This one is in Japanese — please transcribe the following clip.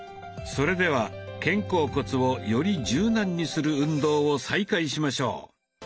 それでは肩甲骨をより柔軟にする運動を再開しましょう。